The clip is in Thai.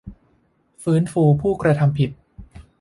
ฟื้นฟูผู้กระทำผิด